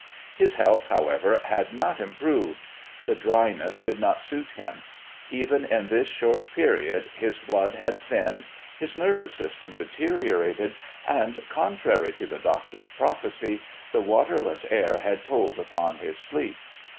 His health, however, had not improved; the dryness did not suit him; even in this short period his blood had thinned, his nervous system deteriorated, and, contrary to the doctor's prophecy, the waterless air had told upon his sleep.